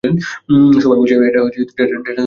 সবাই বলছে এটা ডেথ এন রোল জাতের হয়েছে।